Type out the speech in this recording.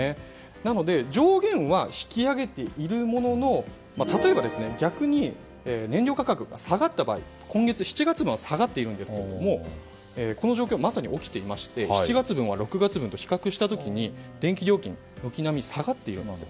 なので上限は引き上げているものの例えば、逆に燃料価格が下がった場合今月７月分は下がっているんですがこの状況がまさに起きていまして７月分を６月分と比較した時に電気料金が軒並み下がっているんです。